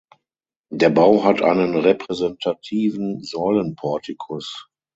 Der Bau hat einen repräsentativen Säulenportikus.